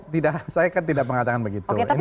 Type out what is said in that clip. tidak saya kan tidak mengatakan begitu